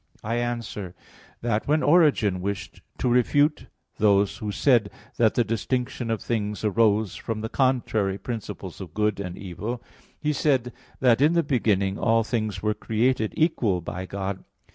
I answer that, When Origen wished to refute those who said that the distinction of things arose from the contrary principles of good and evil, he said that in the beginning all things were created equal by God.